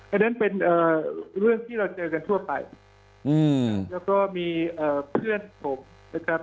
อันนั้นเป็นเรื่องที่เราเจอกันทั่วไปแล้วก็มีเพื่อนผมนะครับ